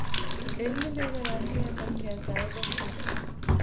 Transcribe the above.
Elini beýleräkde ýatan käsä uzatdy.